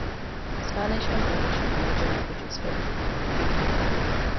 Spanish and English are the major languages spoken.